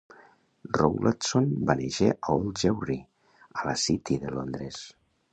Rowlandson va néixer a Old Jewry, a la "City" de Londres.